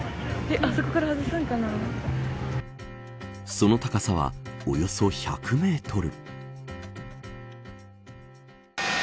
その高さはおよそ１００メートル。